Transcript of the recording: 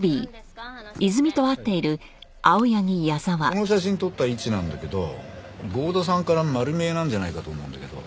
この写真撮った位置なんだけど郷田さんから丸見えなんじゃないかと思うんだけど。